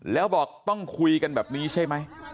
แล้วบอกต้องคุยกันแบบนี้ใช่ไหม